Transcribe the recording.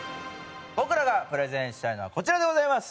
僕らがプレゼンしたいのはこちらでございます！